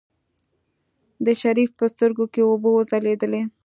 د شريف په سترګو کې اوبه وځلېدلې.